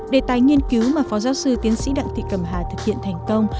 đề tài nghiên cứu mà phó giáo sư tiến sĩ đặng thị cầm hà thực hiện thành công